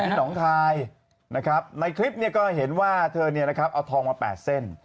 อยู่ที่หนองคลายนะครับในคลิปนี้ก็เห็นว่าเธอนี่นะครับเอาทองมาแปดเส้น